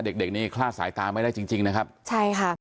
เด็กเด็กนี้คลาดสายตาไม่ได้จริงจริงนะครับใช่ค่ะ